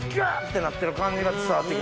てなってる感じが伝わってきますね。